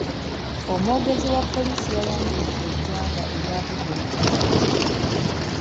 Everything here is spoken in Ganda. Omwogezi wa poliisi yayanjulidde eggwanga ebyavudde mu kunoonyereza.